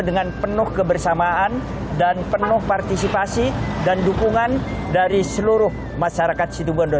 dengan penuh kebersamaan dan penuh partisipasi dan dukungan dari seluruh masyarakat situbondo